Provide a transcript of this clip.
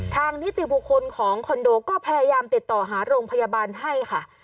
นิติบุคคลของคอนโดก็พยายามติดต่อหาโรงพยาบาลให้ค่ะ